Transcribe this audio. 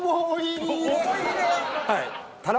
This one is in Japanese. はい。